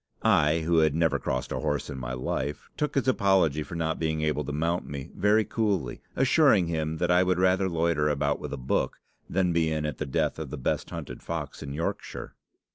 I, who had never crossed a horse in my life, took his apology for not being able to mount me very coolly, assuring him that I would rather loiter about with a book than be in at the death of the best hunted fox in Yorkshire.